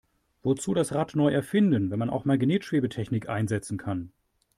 Wozu das Rad neu erfinden, wenn man auch Magnetschwebetechnik einsetzen kann?